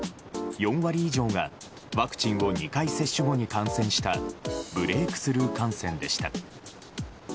４割以上がワクチンを２回接種後に感染したブレークスルー感染でした。